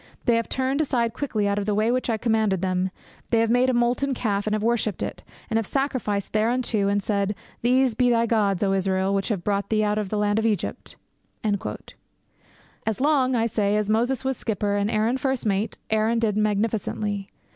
They have turned aside quickly out of the way which I commanded them; they have made a molten calf, and have worshipped it, and have sacrificed thereunto, and said, These be thy gods, O Israel, which have brought thee up out of the land of Egypt!' As long, I say, as Moses was skipper and Aaron first mate, Aaron did magnificently.